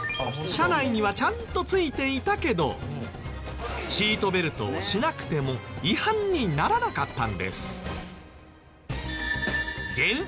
車内にはちゃんと付いていたけどシートベルトをしなくても違反にならなかったんです。